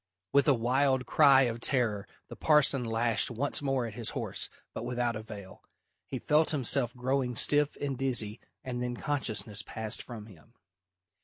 With a wild cry of terror the parson lashed once more at his horse, but without avail. He felt himself growing stiff and dizzy and then consciousness passed from him.